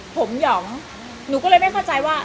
ผมหยองหนูก็เลยไม่เข้าใจว่า